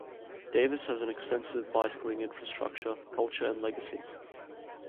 Davis has an extensive bicycling infrastructure, culture and legacy.